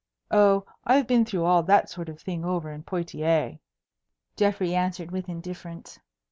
"Oh, I've been through all that sort of thing over in Poictiers," Geoffrey answered with indifference.